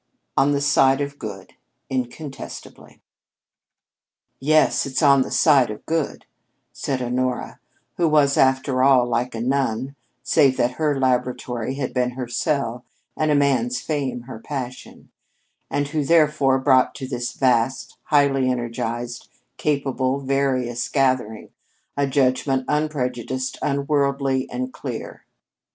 On the side of good, incontestably. "Yes, it's on the side of good," said Honora, who was, after all, like a nun (save that her laboratory had been her cell, and a man's fame her passion), and who therefore brought to this vast, highly energized, capable, various gathering a judgment unprejudiced, unworldly, and clear.